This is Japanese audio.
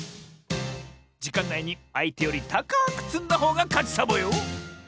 じかんないにあいてよりたかくつんだほうがかちサボよ！